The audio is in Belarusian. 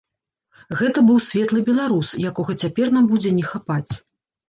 Гэта быў светлы беларус, якога цяпер нам будзе не хапаць.